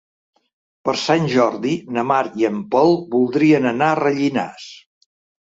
Per Sant Jordi na Mar i en Pol voldrien anar a Rellinars.